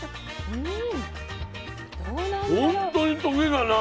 うん。